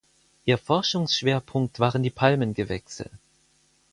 Ihr Forschungsschwerpunkt waren die Palmengewächse.